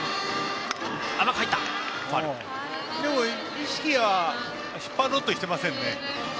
意識は引っ張ろうとしていませんね。